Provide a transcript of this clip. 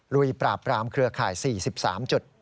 ลุยปราบปรามเครือข่าย๔๓จุด